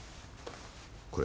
これ。